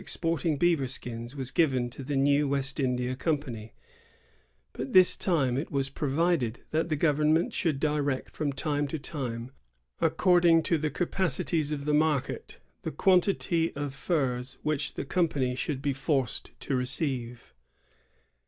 109 exporting beaver skins was given to the new West India Company; but this time it was provided that the government should direct from time to time, according to the capacities of the market, the quan tity of furs which the company should be forced to receive.